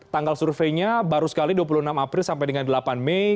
tanggal surveinya baru sekali dua puluh enam april sampai dengan delapan mei